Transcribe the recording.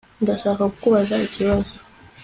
Ndashaka kukubaza ikibazo